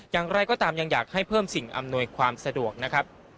อย่างไรก็ตามยังอยากให้เพิ่มสิ่งอำนวยความสะดวกนะครับ